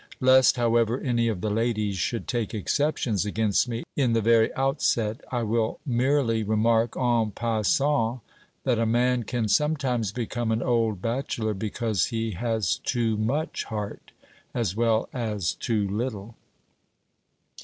Lest, however, any of the ladies should take exceptions against me in the very outset, I will merely remark, en passant, that a man can sometimes become an old bachelor because he has too much heart as well as too little.